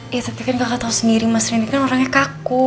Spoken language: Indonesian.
ya tapi kan kakak tau sendiri mas rini kan orangnya kaku